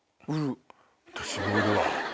私も売るわ。